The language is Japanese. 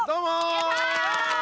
やったー！